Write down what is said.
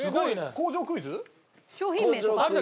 工場クイズ？